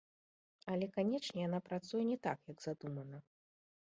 Але, канечне, яна працуе не так, як задумана.